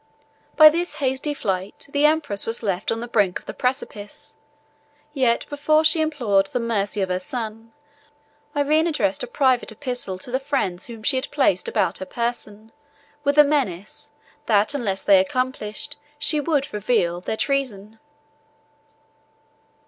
By this hasty flight, the empress was left on the brink of the precipice; yet before she implored the mercy of her son, Irene addressed a private epistle to the friends whom she had placed about his person, with a menace, that unless they accomplished, she would reveal, their treason.